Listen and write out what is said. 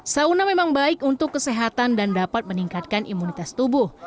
sauna memang baik untuk kesehatan dan dapat meningkatkan imunitas tubuh